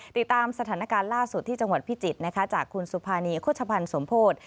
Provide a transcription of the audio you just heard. ติดตามสถานการณ์ล่าสุดที่จังหวัดพิจิตรนะคะจากคุณสุภานีโฆษภัณฑ์สมโพธิ